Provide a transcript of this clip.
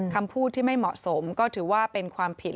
คำพูดที่ไม่เหมาะสมก็ถือว่าเป็นความผิด